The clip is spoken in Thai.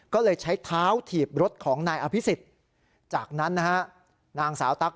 ก็เลยใช้เท้าถีบรถของนายอภิษฎจากนั้นนะฮะนางสาวตั๊ก